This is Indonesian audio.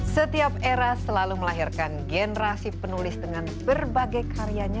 setiap era selalu melahirkan generasi penulis dengan berbagai karyanya